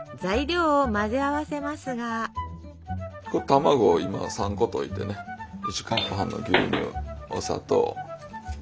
卵を今３個といてね１カップ半の牛乳お砂糖。